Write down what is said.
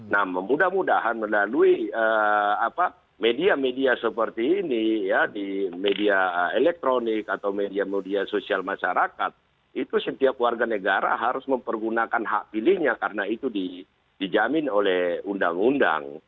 nah mudah mudahan melalui media media seperti ini ya di media elektronik atau media media sosial masyarakat itu setiap warga negara harus mempergunakan hak pilihnya karena itu dijamin oleh undang undang